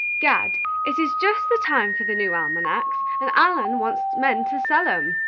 "Gad, it is just the time for the new almanacs, and Allen wants men to sell 'em.